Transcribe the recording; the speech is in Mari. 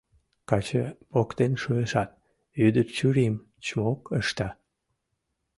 Каче поктен шуэшат, ӱдыр чурийым чмок ышта.